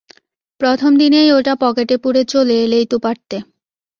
প্রথমদিনেই ওটা পকেটে পুরে চলে এলেই তো পারতে।